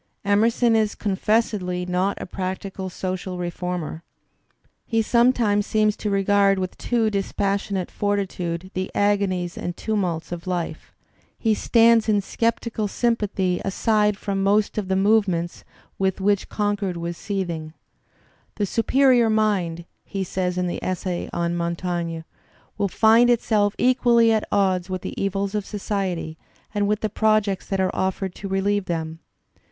Emerson is confessedly not a practical social reformer; he sometimes seems to regard with a too dispassionate fortitude the agonies and tumults of life. He stands in sceptical sympathy aside from most of the "movements" with which Digitized by Google 68 THE SPIRIT OF AMERICAN LITERATURE Concord was seething. "The superior mind," he says in the essay on Montaigne, "will find itself equally at odds with the evils of society and with the projects that are offered to relieve them."